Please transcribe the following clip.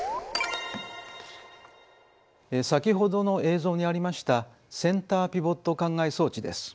先ほどの映像にありましたセンターピボット灌漑装置です。